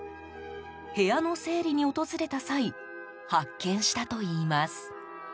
部屋の整理に訪れた際発見したといいます。